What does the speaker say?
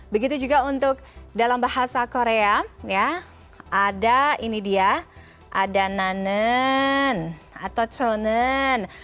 begitu juga untuk dalam bahasa korea ada ini dia ada nanen atau tonen